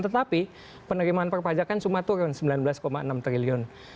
tetapi penerimaan perpajakan cuma turun sembilan belas enam triliun